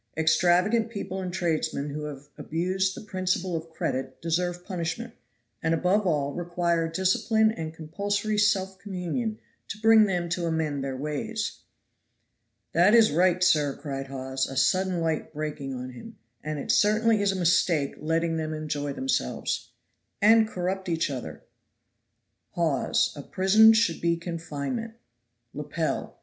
Extravagant people and tradesmen who have abused the principle of credit, deserve punishment, and above all require discipline and compulsory self communion to bring them to amend their ways." "That is right, sir," cried Hawes, a sudden light breaking on him, "and it certainly is a mistake letting them enjoy themselves." "And corrupt each other." Hawes. A prison should be confinement. Lepel.